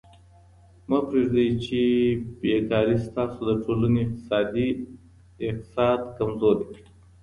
مه پرېږدئ چي بې کاري ستاسو د ټولني اقتصاد کمزوری کړي.